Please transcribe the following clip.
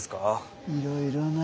いろいろな。